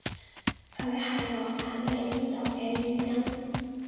佢係我揀嚟呢度嘅原因